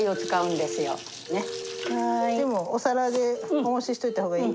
お皿でおもししといた方がいい？